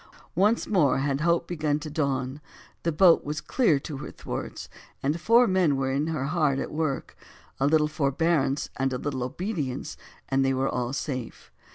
Once more had hope began to dawn: the boat was clear to her thwarts, and four men were in her hard at work; a little forbearance and a little obedience, and they were safe.